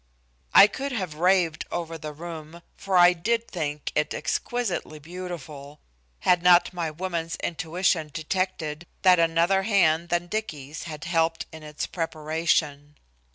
I could have raved over the room, for I did think it exquisitely beautiful, had not my woman's intuition detected that another hand than Dicky's had helped in its preparation.